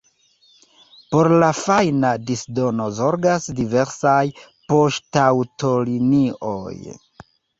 Por la fajna disdono zorgas diversaj poŝtaŭtolinioj.